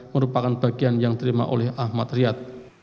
merupakan bagian yang terima oleh ahmad triad